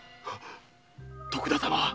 徳田様！